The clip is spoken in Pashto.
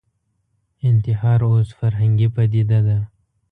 انتحار اوس فرهنګي پدیده ده